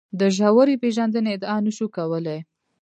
د ژورې پېژندنې ادعا نه شو کولای.